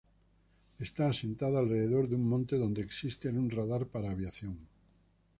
Está asentada alrededor de un monte donde existe un radar para aviación.